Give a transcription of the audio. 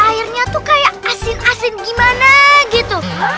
airnya tuh kayak asin asin gimana gitu